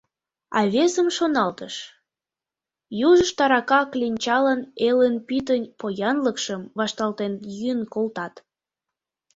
А весым шоналтыш: южышт арака кленчалан элын пӱтынь поянлыкшым вашталтен йӱын колтат.